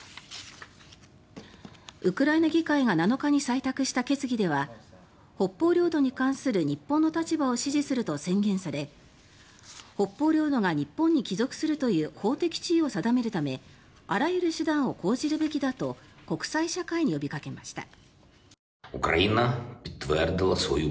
ウクライナ議会が７日に採択した決議では北方領土に関する日本の立場を支持すると宣言され北方領土が日本に帰属するという法的地位を定めるためあらゆる手段を講じるべきだと国際社会に呼びかけました。